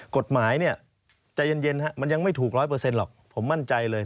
กฎหมายเนี่ยใจเย็นมันยังไม่ถูกร้อยเปอร์เซ็นต์หรอกผมมั่นใจเลย